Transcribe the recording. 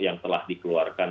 yang telah dikeluarkan